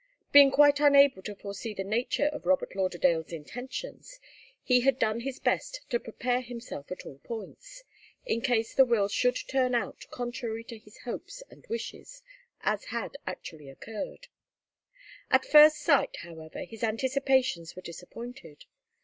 Being quite unable to foresee the nature of Robert Lauderdale's intentions, he had done his best to prepare himself at all points, in case the will should turn out contrary to his hopes and wishes, as had actually occurred. At first sight, however, his anticipations were disappointed.